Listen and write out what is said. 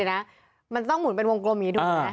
เดี๋ยวนะมันต้องหมุนเป็นวงกลมหรือดูนะ